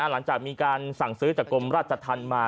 หลังจากมีการสั่งซื้อจากกรมราชธรรมมา